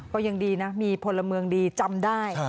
ก็ยังดีนะมีพลเมืองดีจำได้